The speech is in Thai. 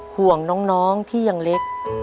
ห่วงน้องที่ยังเล็ก